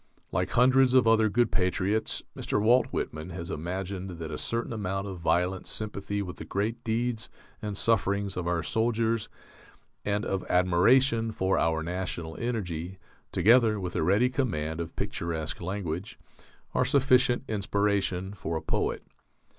Like hundreds of other good patriots, Mr. Walt Whitman has imagined that a certain amount of violent sympathy with the great deeds and sufferings of our soldiers, and of admiration for our national energy, together with a ready command of picturesque language, are sufficient inspiration for a poet....